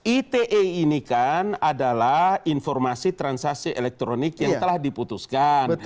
ite ini kan adalah informasi transaksi elektronik yang telah diputuskan